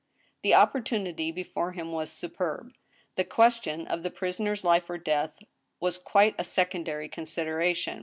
The opportunity before him was superb ; the question of the prisoner's life or death was quite a secondary consider ation.